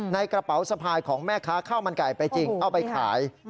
กระเป๋าสะพายของแม่ค้าข้าวมันไก่ไปจริงเอาไปขาย